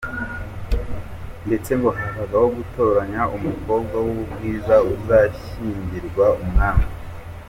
Ndetse ngo habagaho gutoranya umukobwa w’ubwiza uzashyingirwa umwani.